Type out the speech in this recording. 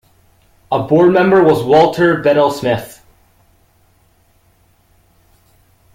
A board member was Walter Bedell Smith.